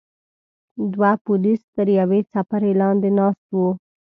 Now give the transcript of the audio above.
دوه پولیس تر یوې څپرې لاندې ناست وو.